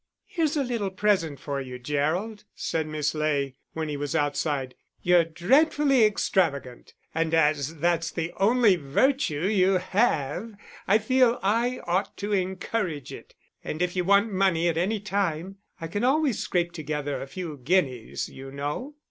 "Here's a little present for you, Gerald," said Miss Ley, when he was outside. "You're dreadfully extravagant, and as that's the only virtue you have, I feel I ought to encourage it. And if you want money at any time, I can always scrape together a few guineas, you know."